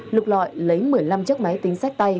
lục lọi lấy một mươi năm chiếc máy tính sách tay